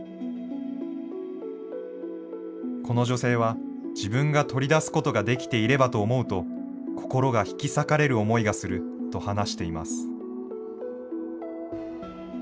この女性は、自分が取り出すことができていればと思うと、心が引き裂かれる思いがすると話しています。